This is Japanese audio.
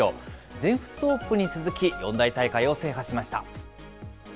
全仏オープンに続き、四大大会を制覇しました。